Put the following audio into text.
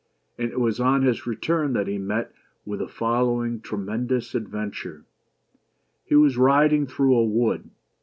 And it was on his return that he met with the following tremendous adventure. H e was riding through a wood.